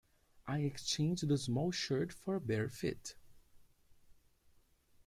I exchanged the small shirt for a better fit.